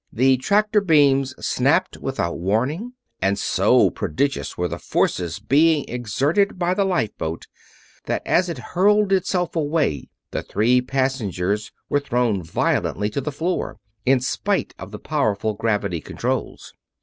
The tractor beams snapped without warning, and so prodigious were the forces being exerted by the lifeboat that as it hurled itself away the three passengers were thrown violently to the floor, in spite of the powerful gravity controls.